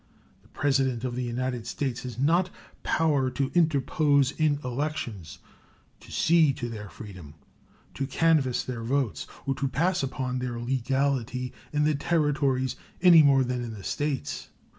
The President of the United States has not power to interpose in elections, to see to their freedom, to canvass their votes, or to pass upon their legality in the Territories any more than in the States.